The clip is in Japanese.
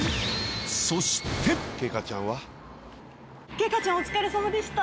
けいかちゃんお疲れさまでした。